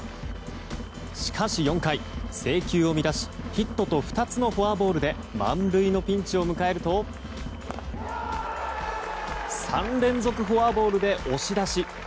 しかし４回、制球を乱しヒットと２つのフォアボールで満塁のピンチを迎えると３連続フォアボールで押し出し。